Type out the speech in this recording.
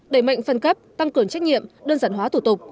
đẩy mạnh phân cấp tăng cường trách nhiệm đơn giản hóa thủ tục